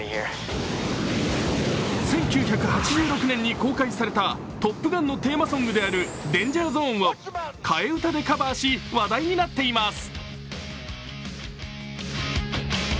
１９８６年に公開された「トップガン」のテーマソングである「デンジャーゾーン」を替え歌でカバーし、話題になっています。